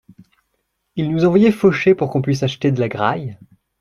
Il nous envoyait faucher pour qu’on puisse acheter de la graille.